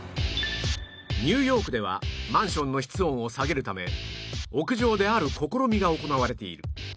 ニューヨークではマンションの室温を下げるため屋上である試みが行われている